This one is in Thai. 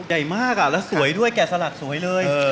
ใหญ่มากแล้วสวยด้วยแกะสลักสวยเลย